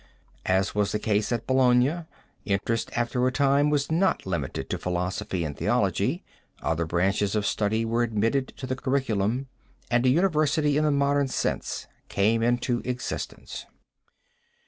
As was the case at Bologna, interest after a time was not limited to philosophy and theology; other branches of study were admitted to the curriculum and a university in the modern sense came into existence.